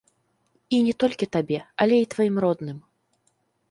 І не толькі табе, але і тваім родным.